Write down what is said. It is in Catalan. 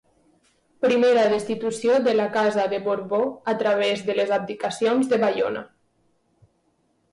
Primera destitució de la casa de Borbó a través de les abdicacions de Baiona.